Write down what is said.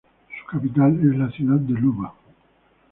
Su capital es la ciudad de Luba.